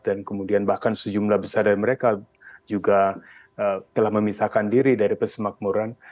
dan kemudian bahkan sejumlah besar dari mereka juga telah memisahkan diri dari persemakmuran